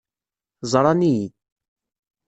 Ẓran-iyi.